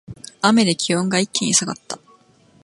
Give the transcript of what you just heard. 雨で気温が一気に下がった